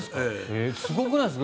すごくないですか？